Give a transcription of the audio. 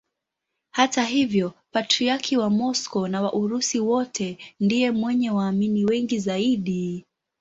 Hata hivyo Patriarki wa Moscow na wa Urusi wote ndiye mwenye waamini wengi zaidi.